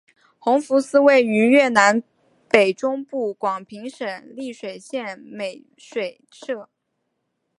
弘福寺位于越南北中部广平省丽水县美水社。